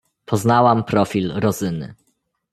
"Poznałam profil Rozyny."